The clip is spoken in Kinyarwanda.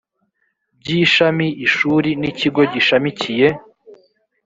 by ishami ishuri n ikigo gishamikiye